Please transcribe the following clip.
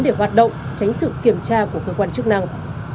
để hoạt động tránh sự kiểm tra của cơ quan chức năng